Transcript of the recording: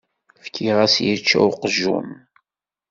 Fkiɣ-as yečča uqjun.